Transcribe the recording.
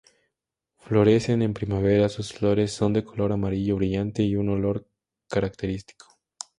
Florecen en primavera, sus flores son de color amarillo brillante y un olor característico.